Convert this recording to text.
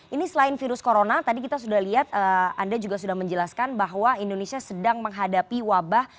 ini selain virus corona tadi kita sudah lihat anda juga sudah menjelaskan bahwa indonesia sedang menghadapi wabah